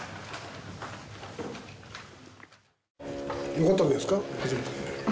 よかったんじゃないですか初めてで。